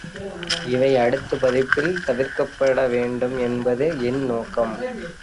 இவை அடுத்த பதிப்பில் தவிர்க்கப்படவேண்டும் என்பது என் நோக்கம்.